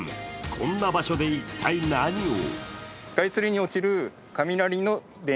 こんな場所で一体何を？